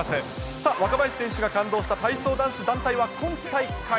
さあ、若林選手が感動した体操男子団体は今大会。